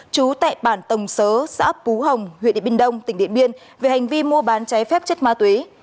trú tại bản tổng sớ xã pú hồng huyện điện biên đông tỉnh điện biên về hành vi mua bán trái phép chất ma túy